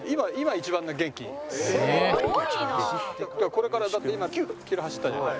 これからだって今９キロ走ったじゃない。